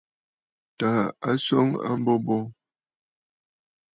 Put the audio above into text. Tàà a swoŋ a mbo bo.